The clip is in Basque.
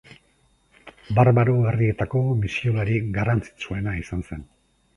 Barbaro herrietako misiolari garrantzitsuena izan zen.